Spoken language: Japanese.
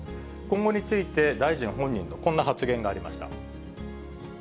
今後について、大臣本人のこんな発言がありました。